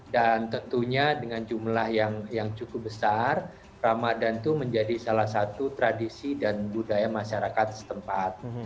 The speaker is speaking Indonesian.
dan tentunya dengan jumlah yang cukup besar ramadan itu menjadi salah satu tradisi dan budaya masyarakat setempat